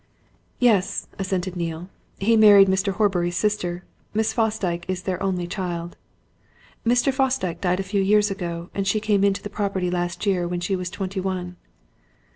"Yes," assented Neale. "He married Mr. Horbury's sister. Miss Fosdyke is their only child. Mr. Fosdyke died a few years ago, and she came into the property last year when she was twenty one."